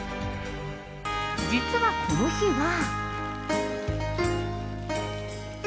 実は、この日は。